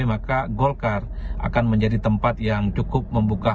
maka golkar akan menjadi tempat yang cukup membuka